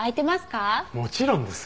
もちろんです。